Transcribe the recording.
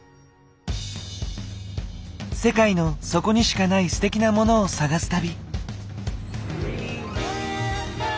世界のそこにしかないステキなモノを探す旅。